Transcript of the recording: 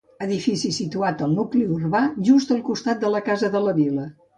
Edifici situat al nucli urbà, just al costat de la Casa de la Vila.